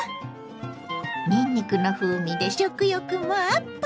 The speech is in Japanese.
にんにくの風味で食欲もアップ！